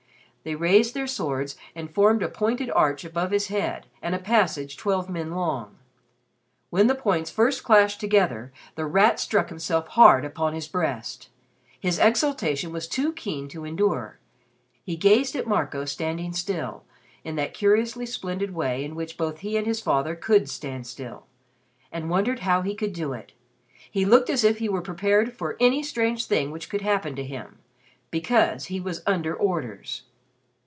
They raised their swords and formed a pointed arch above his head and a passage twelve men long. When the points first clashed together The Rat struck himself hard upon his breast. His exultation was too keen to endure. He gazed at Marco standing still in that curiously splendid way in which both he and his father could stand still and wondered how he could do it. He looked as if he were prepared for any strange thing which could happen to him because he was "under orders."